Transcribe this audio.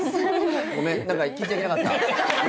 ごめん聞いちゃいけなかった？